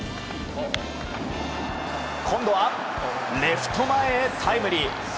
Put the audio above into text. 今度は、レフト前へタイムリー。